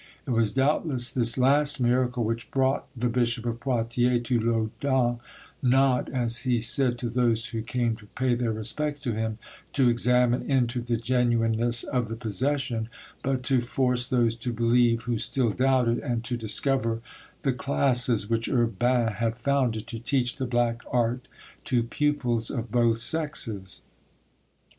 It was doubtless this last miracle which brought the Bishop of Poitiers to Loudun, "not," as he said to those who came to pay their respects to him, "to examine into the genuineness of the possession, but to force those to believe who still doubted, and to discover the classes which Urbain had founded to teach the black art to pupils of both sexes."